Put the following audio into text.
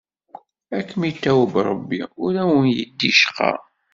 Ad kem-itaweb Ṛebbi, ur am-yeddi ccqa.